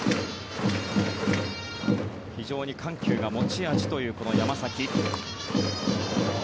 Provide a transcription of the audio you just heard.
非常に緩急が持ち味というこの山崎。